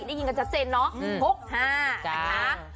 ได้ยินกันจัดเจนเหรอ